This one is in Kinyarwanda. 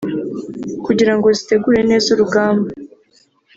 kugirango zitegure neza urugamba